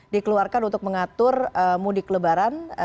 dikeluarkan untuk mengatur mudik lebaran